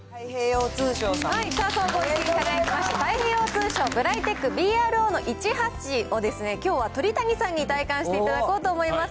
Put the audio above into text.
総合１位に輝きました、太平洋通商、ブライテックＢＲＯー１８をきょうは鳥谷さんに体感していただこうと思います。